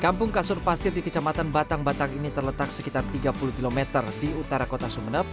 kampung kasur pasir di kecamatan batang batang ini terletak sekitar tiga puluh km di utara kota sumeneb